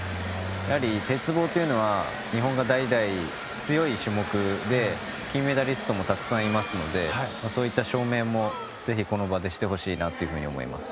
鉄棒というのは日本が代々強い種目で金メダリストもたくさんいますのでそういった証明も、ぜひこの場でしてほしいなと思います。